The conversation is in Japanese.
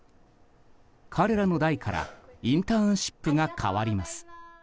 彼らの代からインターンシップが変わります。